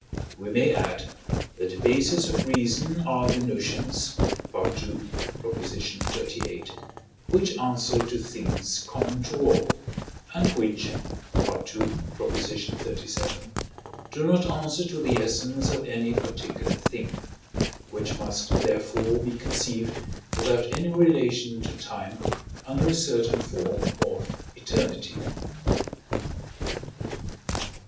We may add that the bases of reason are the notions (II. xxxviii.), which answer to things common to all, and which (II. xxxvii.) do not answer to the essence of any particular thing: which must therefore be conceived without any relation to time, under a certain form of eternity.